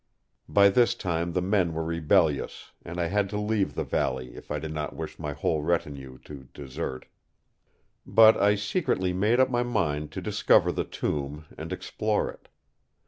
By this time the men were rebellious; and I had to leave the valley if I did not wish my whole retinue to desert. But I secretly made up my mind to discover the tomb, and explore it.